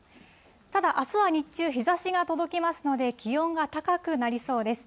ただ、あすは日中、日ざしが届きますので、気温が高くなりそうです。